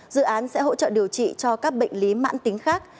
dự án sẽ hỗ trợ điều trị cho các bệnh lý mãn tính khác